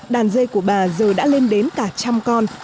đàn dê của bà giờ đã lên đến cả trăm con